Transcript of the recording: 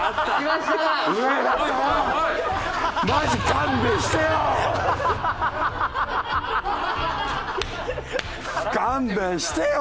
勘弁してよ！